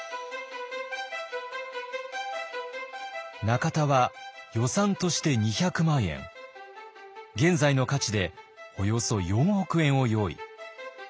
中田は予算として２００万円現在の価値でおよそ４億円を用意。